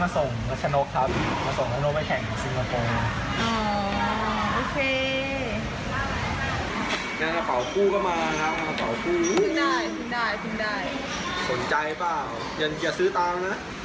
สนใจเปล่าอย่าซื้อตังค์นะ